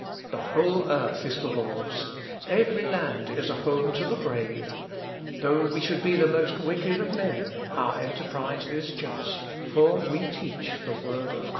The whole earth is the Lord's. Every land is a home to the brave. Though we should be the most wicked of men our enterprise is just, for we teach the Word of Christ."